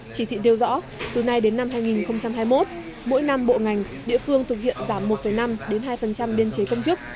chỉ thị nêu rõ từ nay đến năm hai nghìn hai mươi một mỗi năm bộ ngành địa phương thực hiện giảm một năm hai biên chế công chức